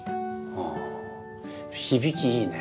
あぁ響きいいね。